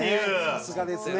さすがですね。